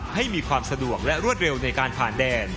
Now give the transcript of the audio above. ให้มีความสะดวกและรวดเร็วในการผ่านแดน